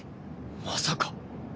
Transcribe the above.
まさか。